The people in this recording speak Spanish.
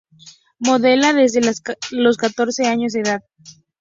Modela desde los catorce años de edad.